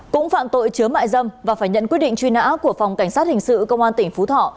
cũng phạm tội chứa mại dâm và phải nhận quyết định truy nã của phòng cảnh sát hình sự công an tỉnh phú thọ